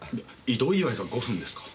異動祝いが５分ですか。